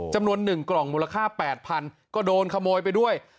จำนวน๑กล่องมูลค่า๘๐๐๐ก็โดนขโมยไปด้วย